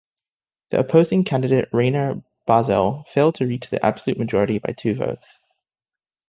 The opposing candidate Rainer Barzel failed to reach the absolute majority by two votes.